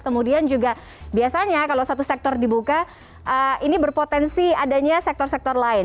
kemudian juga biasanya kalau satu sektor dibuka ini berpotensi adanya sektor sektor lain